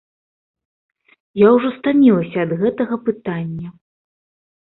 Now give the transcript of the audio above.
Я ўжо стамілася ад гэтага пытання.